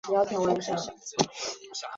今天晚上有宴会